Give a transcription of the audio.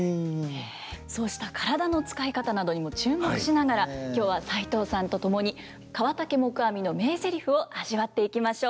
そうした身体の使い方などにも注目しながら今日は齋藤さんと共に河竹黙阿弥の名ゼリフを味わっていきましょう。